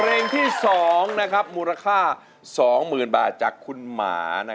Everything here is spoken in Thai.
ร้องมืนบาทจากคุณหมา